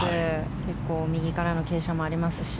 結構右からの傾斜もありますし。